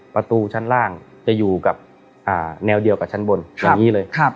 ประตูชั้นล่างจะอยู่กับแนวเดียวกับชั้นบนอย่างนี้เลย